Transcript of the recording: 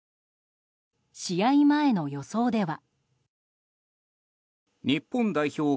試合前の予想では。